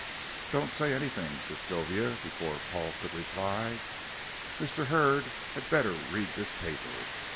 "Don't say anything," said Sylvia, before Paul could reply. "Mr. Hurd had better read this paper.